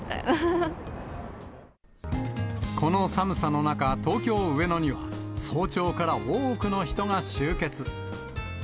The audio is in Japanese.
この寒さの中、東京・上野には、早朝から多くの人が集結。